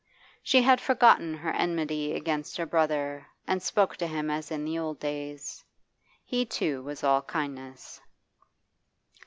She had forgotten her enmity against her brother and spoke to him as in the old days. He, too, was all kindness.